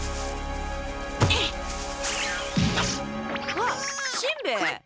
あしんべヱ！